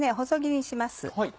細切りにします。